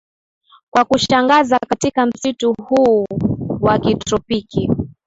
Kwa kushangaza katika msitu huu wa kitropiki